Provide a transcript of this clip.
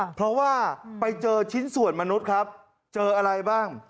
เพราะว่าไปเจอชิ้นส่วนมนุษย์ครับเจออะไรบ้าง